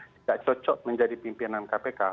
tidak cocok menjadi pimpinan kpk